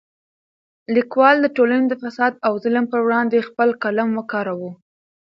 لیکوال د ټولنې د فساد او ظلم پر وړاندې خپل قلم وکاراوه.